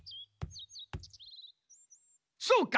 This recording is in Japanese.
そうか。